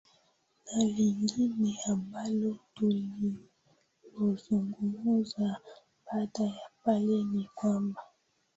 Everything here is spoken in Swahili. na lingine ambalo tulilozungumza baada ya pale ni kwamba